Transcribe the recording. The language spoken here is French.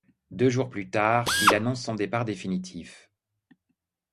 Deux jours plus tard, il annonce son départ définitif.